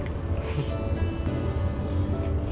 udah ibu anggap kayak anak ibu sendiri